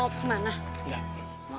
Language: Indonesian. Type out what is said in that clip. hai dan kemungkinan besar